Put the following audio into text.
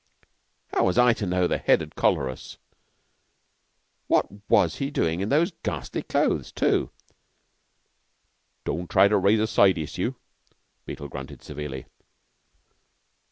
"How was I to know that the Head 'ud collar us? What was he doin' in those ghastly clothes, too?" "Don't try to raise a side issue," Beetle grunted severely.